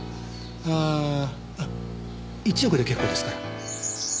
あー１億で結構ですから。